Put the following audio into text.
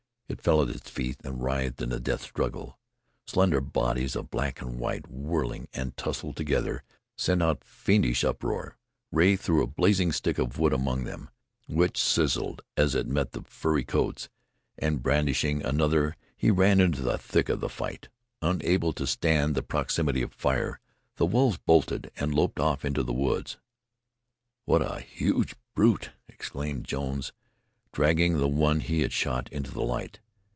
It fell at his feet and writhed in the death struggle. Slender bodies of black and white, whirling and tussling together, sent out fiendish uproar. Rea threw a blazing stick of wood among them, which sizzled as it met the furry coats, and brandishing another he ran into the thick of the fight. Unable to stand the proximity of fire, the wolves bolted and loped off into the woods. "What a huge brute!" exclaimed Jones, dragging the one he had shot into the light.